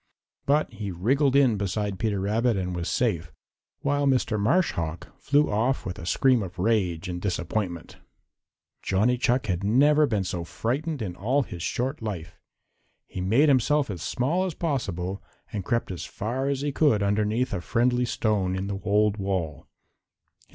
But he wriggled in beside Peter Rabbit and was safe, while Mr. Marsh Hawk flew off with a scream of rage and disappointment. Johnny Chuck had never been so frightened in all his short life. He made himself as small as possible and crept as far as he could underneath a friendly stone in the old wall.